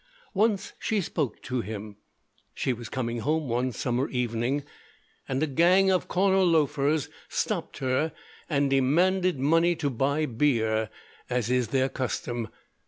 Once she spoke to him. She was coming home one summer evening, and a gang of corner loafers stopped her and demanded money to buy beer, as is their custom.